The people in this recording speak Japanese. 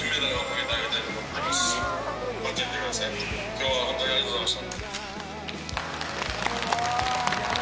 今日はホントにありがとうございました。